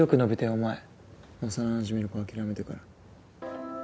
お前幼なじみの子諦めてから。